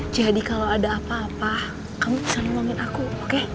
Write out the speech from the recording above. jadi kalau ada apa apa kamu bisa ngelomit aku oke